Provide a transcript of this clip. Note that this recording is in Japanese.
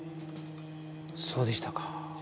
そうでしたか。